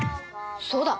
そうだ！